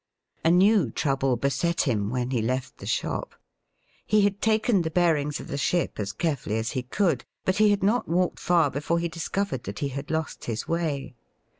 A new trouble beset him when he left the shop. He had taken the bearings of the ship as carefully as he could, but he had not walked far before he discovered that he had lost his way.